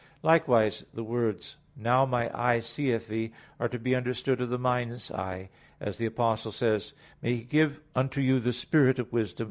Likewise the words, "Now my eye seeth Thee," are to be understood of the mind's eye, as the Apostle says: "May He give unto you the spirit of wisdom